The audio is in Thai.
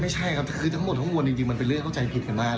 ไม่ใช่ครับคือทั้งหมดทั้งมวลจริงมันเป็นเรื่องเข้าใจผิดกันมาก